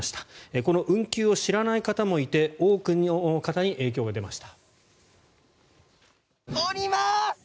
この運休を知らない方もいて多くの方に影響が出ました。